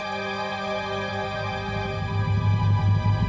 tidak mungkin tidak mungkin